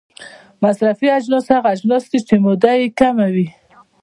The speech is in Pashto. مصرفي اجناس هغه اجناس دي چې موده یې کمه وي.